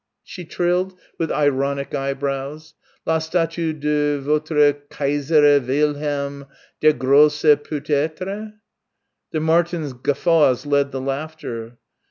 she trilled, with ironic eyebrows, "la statue de votre Kaisère Wilhelm der Grosse peut être?" The Martins' guffaws led the laughter.